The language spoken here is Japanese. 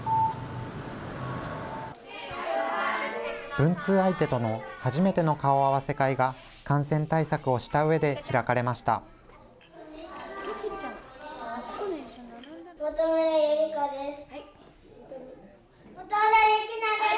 文通相手との初めての顔合わせ会が感染対策をした上で開かれました本村優梨花です。